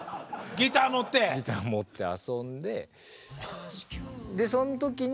ギター持って遊んで。